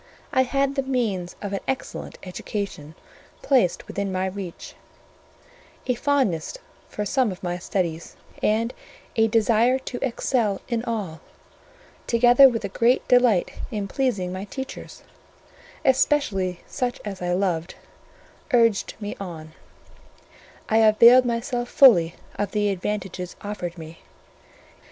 I had the means of an excellent education placed within my reach; a fondness for some of my studies, and a desire to excel in all, together with a great delight in pleasing my teachers, especially such as I loved, urged me on: I availed myself fully of the advantages offered me.